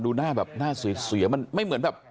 ดูหน้าสวยเหมือนแบบ